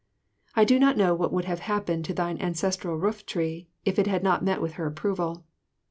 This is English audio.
I do not know what would have happened to thine ancestral rooftree if it had not met with her approval.